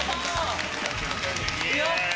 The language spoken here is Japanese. やった！